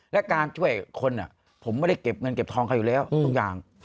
และการช่วยคนผมไม่ได้เก็บเงินเก็บทองเขาอยู่แล้วตรงนี้